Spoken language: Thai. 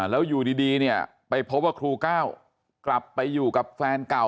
แล้วอยู่ดีเนี่ยไปพบว่าครูก้าวกลับไปอยู่กับแฟนเก่า